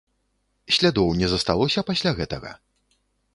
Слядоў не засталося пасля гэтага?